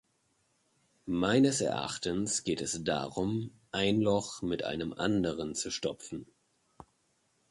Meines Erachtens geht es darum, ein Loch mit einem anderen zu stopfen.